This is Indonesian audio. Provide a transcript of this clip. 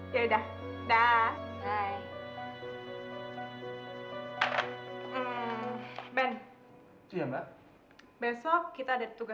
berdua aja mbak